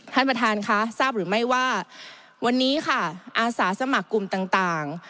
ท่านประธานค่ะทราบหรือไม่ว่าวันนี้ค่ะอาสาสมัครกลุ่มต่าง